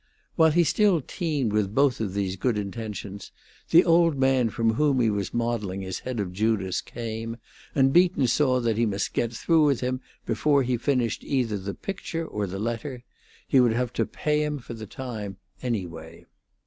While he still teemed with both of these good intentions the old man from whom he was modelling his head of Judas came, and Beaton saw that he must get through with him before he finished either the picture or the letter; he would have to pay him for the time, anyway.